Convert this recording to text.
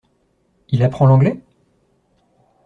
Il apprend l’anglais ?